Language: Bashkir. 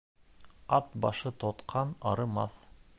Ат башы тотҡан арымаҫ.